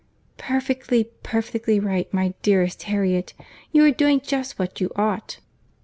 "Perfectly, perfectly right, my dearest Harriet; you are doing just what you ought.